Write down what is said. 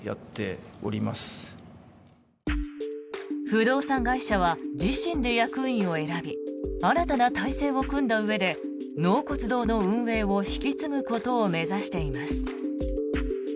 不動産会社は自身で役員を選び新たな体制を組んだうえで納骨堂の運営を引き継ぐことを目指しています。